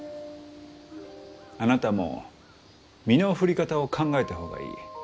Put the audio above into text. あなたも身の振り方を考えた方がいい。